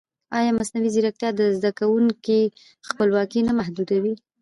ایا مصنوعي ځیرکتیا د زده کوونکي خپلواکي نه محدودوي؟